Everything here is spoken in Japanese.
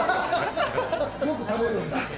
よく食べるんだ。